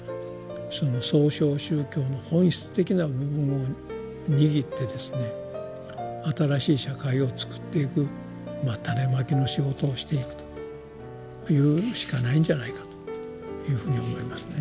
その創唱宗教の本質的な部分を握ってですね新しい社会をつくっていく種まきの仕事をしていくと言うしかないんじゃないかというふうに思いますね。